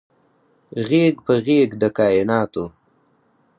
غیږ په غیږ د کائیناتو